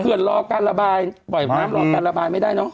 รอการระบายปล่อยน้ำรอการระบายไม่ได้เนอะ